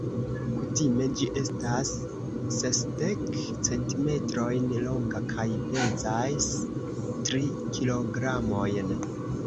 Kutime ĝi estas sesdek centimetrojn longa kaj pezas tri kilogramojn.